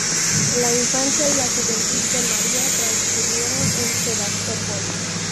La infancia y la juventud de María transcurrieron en Sebastopol.